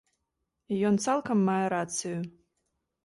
І ён цалкам мае рацыю.